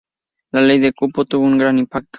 La ley de cupo tuvo un gran impacto.